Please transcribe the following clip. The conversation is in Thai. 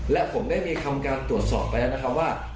และผมได้มีคำการตรวจสอบไปแล้วนะครับว่า